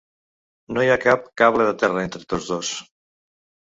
No hi ha cap "cable de terra" entre tots dos.